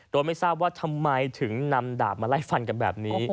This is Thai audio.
โดยไม่ทราบว่าทำไมถึงนำดาบมาไล่ฟันกันแบบนี้